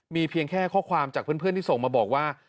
มีเพียงแค่ข้อความจากเพื่อนที่ส่งมาบอกว่า